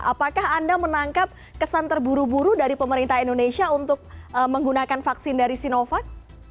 apakah anda menangkap kesan terburu buru dari pemerintah indonesia untuk menggunakan vaksin dari sinovac